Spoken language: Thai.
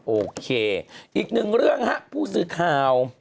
โอเคอีกหนึ่งเรื่องฮะผู้สื่อข่าว